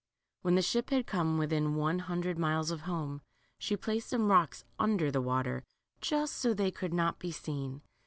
When the ship had come within one hundred miles of home, she placed some rocks under the water, just so they could not be seen.